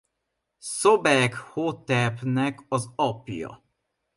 Szobekhotepnek az apja.